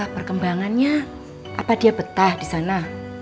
perkembangannya apa dia betah di sana